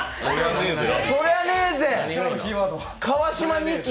川島にき！